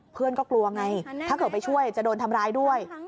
เพื่อนก็กลัวไงถ้าเกิดไปช่วยจะโดนทำร้ายด้วย